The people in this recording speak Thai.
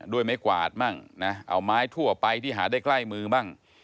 ด้วยไม้กวาดมั่งนะเอาไม้ทั่วไปที่หาได้ใกล้มือบ้าง